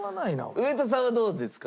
上戸さんはどうですか？